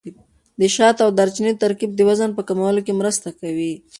د شات او دارچیني ترکیب د وزن په کمولو کې مرسته کوي.